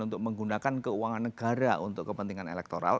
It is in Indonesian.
untuk menggunakan keuangan negara untuk kepentingan elektoral